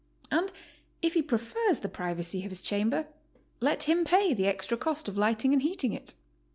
And if he prefers the privacy of his chamber, let him pay the extra cost of lighting and heating it.